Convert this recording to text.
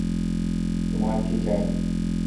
তোমার কী চাই?